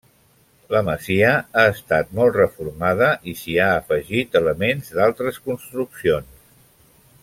La masia ha estat molt reformada i s'hi ha afegit elements d'altres construccions.